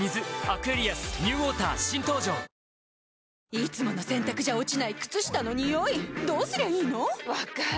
いつもの洗たくじゃ落ちない靴下のニオイどうすりゃいいの⁉分かる。